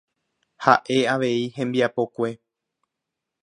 Ha'e avei hembiapokue.